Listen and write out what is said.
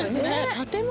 建物。